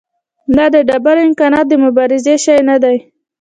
دا د ډېرو امکاناتو د مبارزې شی نه دی.